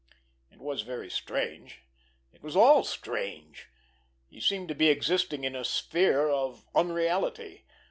It was very strange! It was all strange! He seemed to be existing in a sphere of unreality.